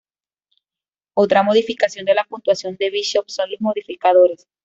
Otra modificación de la puntuación del Bishop son los modificadores.